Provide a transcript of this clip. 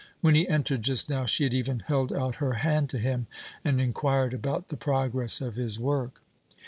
When he entered just now, she had even held out her hand to him, and inquired about the progress of his work.